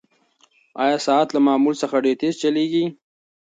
ایا ساعت له معمول څخه ډېر تېز چلیږي؟